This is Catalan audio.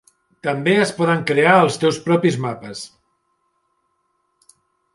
També es poden crear els teus propis mapes.